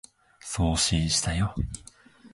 送信したよ